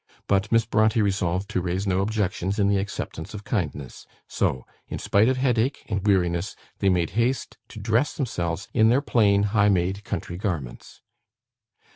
But Miss Brontë resolved to raise no objections in the acceptance of kindness. So, in spite of headache and weariness, they made haste to dress themselves in their plain high made country garments.